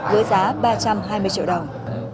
với giá ba trăm hai mươi triệu đồng